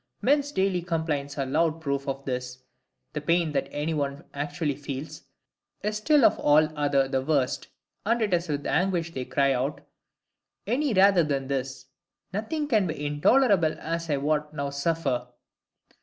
Men's daily complaints are a loud proof of this: the pain that any one actually feels is still of all other the worst; and it is with anguish they cry out,—'Any rather than this: nothing can be so intolerable as what I now suffer.